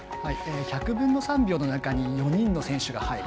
１００分の３秒の中に４人の選手が入る。